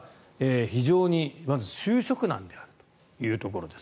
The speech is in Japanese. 非常に就職難であるというところです。